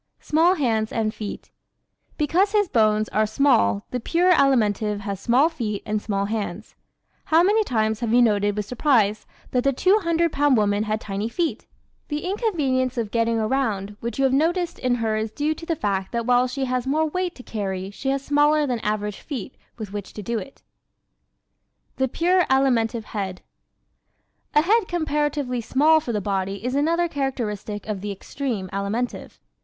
Small Hands and Feet ¶ Because his bones are small the pure Alimentive has small feet and small hands. How many times you have noted with surprise that the two hundred pound woman had tiny feet! The inconvenience of "getting around" which you have noticed in her is due to the fact that while she has more weight to carry she has smaller than average feet with which to do it. The Pure Alimentive Head ¶ A head comparatively small for the body is another characteristic of the extreme Alimentive.